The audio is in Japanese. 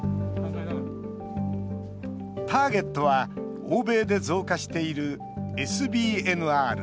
ターゲットは欧米で増加しているＳＢＮＲ。